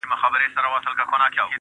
د اوښکو ټول څاڅکي دي ټول راټول کړه,